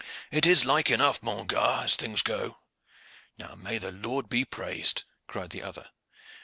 "It is like enough, mon gar., as things go." "Now may the Lord be praised!" cried the other.